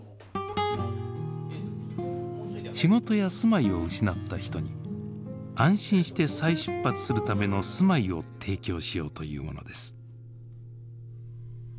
仕事や住まいを失った人に安心して再出発するための住まいを提供しようというものです。